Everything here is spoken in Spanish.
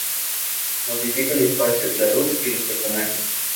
Modifica el espacio, la luz y los personajes.